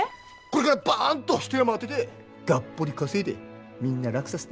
これからバンと一山当ててがっぽり稼いでみんな楽させてやるから。